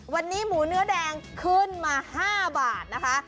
วันนี้หมูเนื้อแดงขึ้นมา๕บาทนะคะ